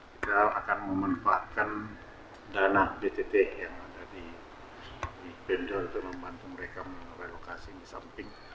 kita akan memanfaatkan dana dtt yang ada di pemda untuk membantu mereka merelokasi di samping